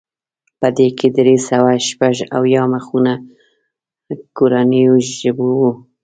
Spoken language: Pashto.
په دې کې درې سوه شپږ اویا مخونه کورنیو ژبو وو.